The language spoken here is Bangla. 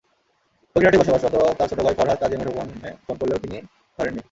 ফকিরহাটে বসবাসরত তাঁর ছোট ভাই ফরহাদ কাজীর মুঠোফোনে ফোন করলেও তিনি ধরেননি।